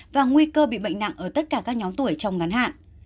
và nguy cơ bị bệnh nặng ở tất cả các nhóm tuổi trong ngắn hạn